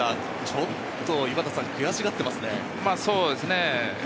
ちょっと悔しがっていますね。